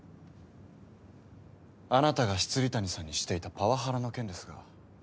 あなたが未谷さんにしていたパワハラの件ん？